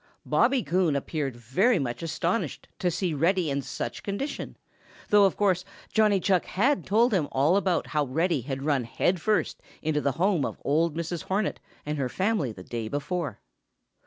Bobby Coon appeared very much astonished to see Reddy in such condition, though of course Johnny Chuck had told him all about how Reddy had run head first into the home of old Mrs. Hornet and her family the day before.